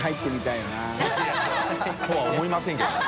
いとは思いませんけどね。